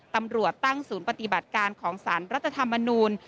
ตำรวจตั้งศูนย์ปฏิบัติการของสารรัฐธรรมนูล